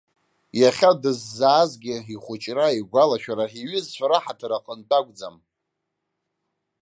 Иахьа дыззаазгьы, ихәыҷра, игәалашәара, иҩызцәа раҳаҭыр аҟынтә акәӡам.